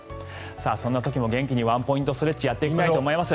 そんな時も元気にワンポイントストレッチやっていきたいと思います。